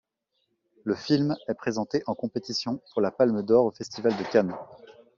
Le film est présenté en compétition pour la Palme d'or au Festival de Cannes.